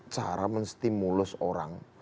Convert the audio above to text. cara menstimulus orang